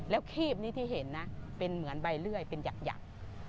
แล้วคีบนี้ที่เห็นนะเป็นเหมือนใบเลื่อยเป็นหยัก